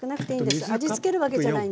味つけるわけじゃないんで。